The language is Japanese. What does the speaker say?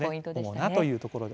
主なというところで。